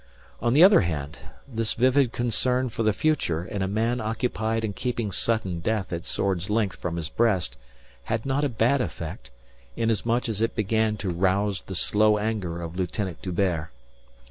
On the other hand, this vivid concern for the future in a man occupied in keeping sudden death at sword's length from his breast, had not a bad effect, inasmuch as it began to rouse the slow anger of Lieutenant D'Hubert.